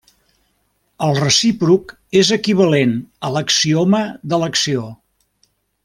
El recíproc és equivalent a l'axioma d'elecció.